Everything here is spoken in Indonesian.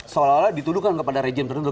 seolah olah dituduhkan kepada rejim tertentu